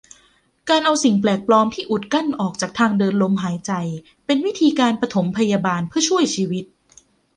การเอาสิ่งแปลกปลอมที่อุดกั้นออกจากทางเดินลมหายใจเป็นวิธีการปฐมพยาบาลเพื่อช่วยชีวิต